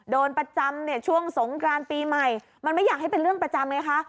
โดนประจำเนี่ยช่วงสงกรานปีใหม่มันไม่อยากให้เป็นเรื่องประจำไงคะ